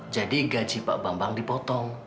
jadi gaji pak bambang dipotong